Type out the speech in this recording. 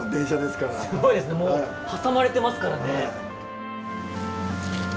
すごいですねもう挟まれてますからね。